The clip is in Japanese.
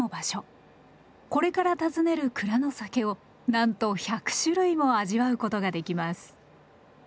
これから訪ねる蔵の酒をなんと１００種類も味わうことができます。